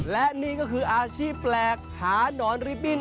และนี่ก็คืออาชีพแปลกขานอนริบบิ้น